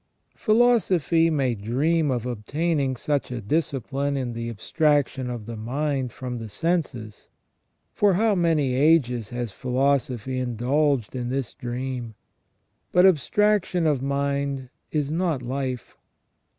Philosophy may dream of obtaining such a discipline in the abstraction of the mind from the senses. For how many ages has philosophy indulged in this dream ? But abstraction of mind is not life.